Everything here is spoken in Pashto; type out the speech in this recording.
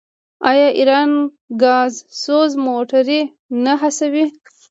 آیا ایران ګازسوز موټرې نه هڅوي؟